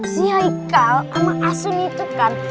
si haikal sama asun itu kan